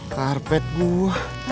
lo pak ia